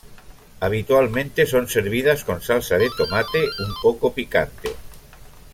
Habitualmente son servidas con salsa de tomate un poco picante.